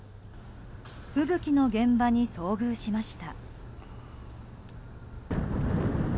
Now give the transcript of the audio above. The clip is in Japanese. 吹雪の現場に遭遇しました。